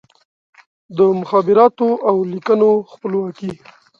د مخابراتو او لیکونو خپلواکي